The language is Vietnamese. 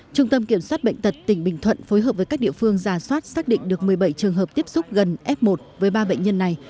trung tâm kiểm soát bệnh tật tỉnh bình thuận phối hợp với các địa phương giả soát xác định được một mươi bảy trường hợp tiếp xúc gần f một với ba bệnh nhân này